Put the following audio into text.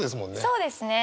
そうですね。